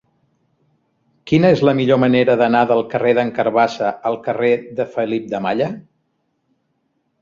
Quina és la millor manera d'anar del carrer d'en Carabassa al carrer de Felip de Malla?